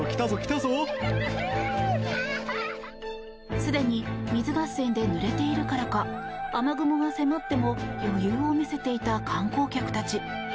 すでに水合戦でぬれているからか雨雲が迫っても余裕を見せていた観光客たち。